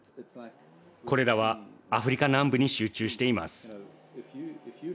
これらはアフリカ南部に集中しています。